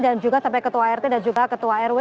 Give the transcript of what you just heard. dan juga sampai ketua rt dan juga ketua rw